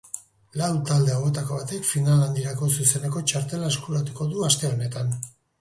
Lau talde hauetako batek final handirako zuzeneko txartela eskuratuko du aste honetan.